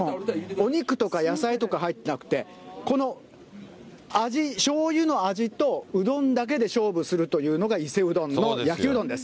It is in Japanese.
お肉とか野菜とか入ってなくて、この味、しょうゆの味とうどんだけで勝負するというのが、伊勢うどんの焼きうどんです。